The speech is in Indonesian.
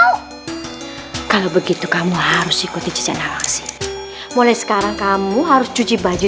if you mau kalau begitu kamu harus ikuti jejak lawang sih mulai sekarang kamu harus cuci baju